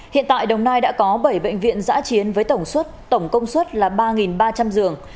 hiện tại đồng nai đã có bảy bệnh viện giã chiến với tổng suất tổng công suất là ba ba trăm linh giường